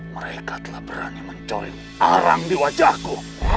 mereka telah berani mencoreng arang di wajahku